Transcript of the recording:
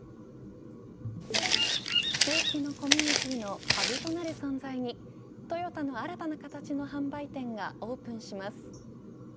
地域のコミュニティのハブとなる存在にトヨタの新たな形の販売店がオープンします。